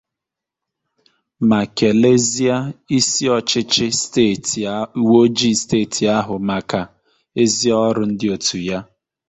ma kelezie isi ọchịchị uweojii steeti ahụ maka ezi ọrụ ndị òtù ya.